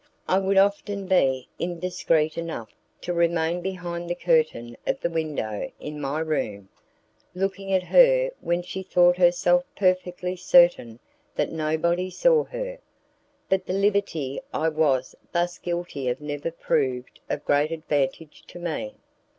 I would often be indiscreet enough to remain behind the curtain of the window in my room, looking at her when she thought herself perfectly certain that nobody saw her; but the liberty I was thus guilty of never proved of great advantage to me.